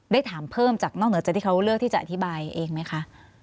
ได้ถามเพิ่มจากนอกเหนือจากที่เขาเลือกที่จะอธิบายเองไหมคะ